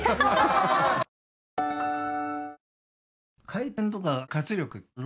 回転とか活力